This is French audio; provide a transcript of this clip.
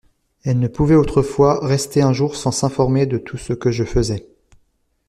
Elle ne pouvait autrefois rester un jour sans s'informer de tout ce que je faisais.